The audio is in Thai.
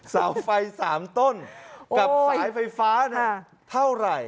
เสาไฟ๓ต้นกับสายไฟฟ้าเนี่ยเท่าไหร่